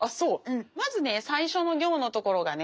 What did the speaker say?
まずね最初の行のところがね